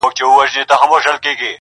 پټ راته مغان په لنډه لار کي راته وویل٫